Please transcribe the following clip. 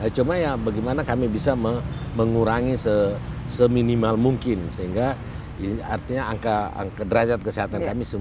cuma ya bagaimana kami bisa mengurangi seminimal mungkin sehingga artinya angka derajat kesehatan kami supaya lebih baik lagi